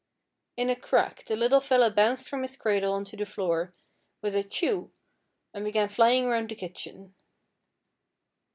In a crack the little fella bounced from his cradle on to the floor with a 'Chu!' and began flying round the kitchen.